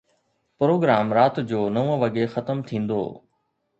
Programme رات جو نو وڳي ختم ٿيندو.